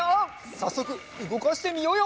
さっそくうごかしてみようよ！